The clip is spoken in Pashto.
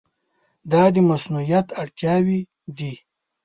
دا د مصونیت اړتیاوې دي.